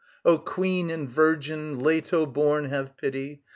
O Queen and Virgin, Leto born, have pity!